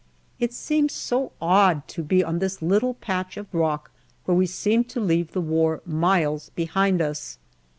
It seems so odd, to be on this little patch of rock where we seem to leave the war miles behind us.